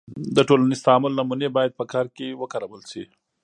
د ټولنیز تعامل نمونې باید په کار کې وکارول سي.